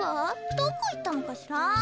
どこいったのかしら。